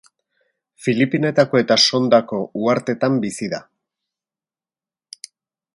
Filipinetako eta Sondako uharteetan bizi da.